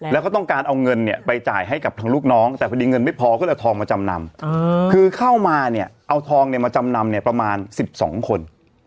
แล้วก็ต้องการเอาเงินเนี่ยไปจ่ายให้กับทางลูกน้องแต่พอดีเงินไม่พอก็เลยเอาทองมาจำนำคือเข้ามาเนี่ยเอาทองเนี่ยมาจำนำเนี่ยประมาณ๑๒คน